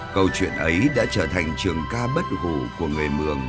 câu chuyện ấy đã trở thành trường ca bất hủ của người mường